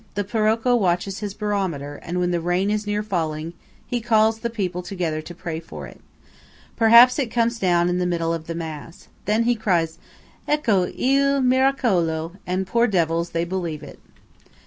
The Parocco watches his barometer; and when the rain is near falling, he calls the people together to pray for it. Perhaps it comes down in the middle of the mass. Then he cries 'Ecco il miracolo!'–and, poor devils! they believe it."